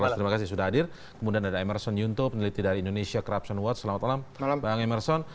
selamat malam bang emerson